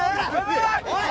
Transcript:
おい！